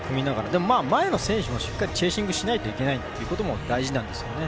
でも、前の選手もしっかりチェイシングをしないといけないということも大事なんですよね。